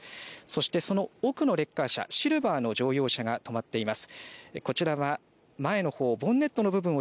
そして、その奥のレッカー車シルバーの乗用車が止まっています。